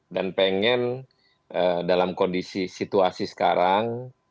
dan pengen dalam kondisi situasi sekarang